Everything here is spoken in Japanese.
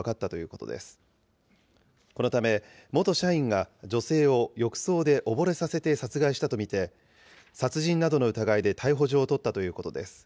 このため元社員が女性を浴槽で溺れさせて殺害したと見て、殺人などの疑いで逮捕状を取ったということです。